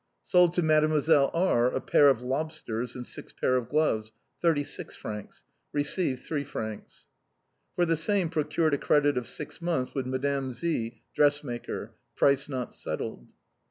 Sold to Mdlle. R a pair of lobsters and six pair of gloves. 36 fr. Received 2 fr. 75 c. " For the same, procured a credit of six months with Mme. Z , dress maker. (Price not settled.)